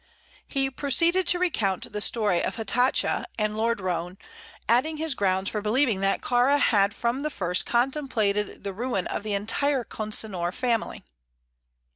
He proceeded to recount the story of Hatatcha and Lord Roane, adding his grounds for believing that Kāra had from the first contemplated the ruin of the entire Consinor family.